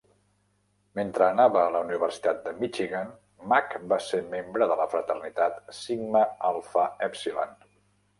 Mentre anava a la universitat de Michigan, Mack va ser membre de la fraternitat Sigma Alpha Epsilon.